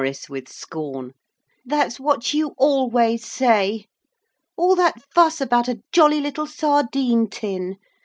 said Maurice, with scorn. 'That's what you always say. All that fuss about a jolly little sardine tin.